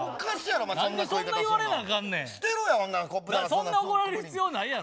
そんな怒られる必要ないやろ。